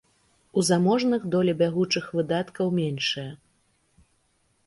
У заможных доля бягучых выдаткаў меншая.